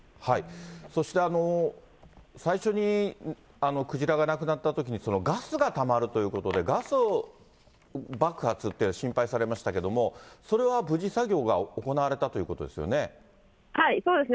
そして最初にクジラが亡くなったときに、ガスがたまるということで、ガス爆発ってことが心配されましたけども、それは無事作業が行われたということですよね。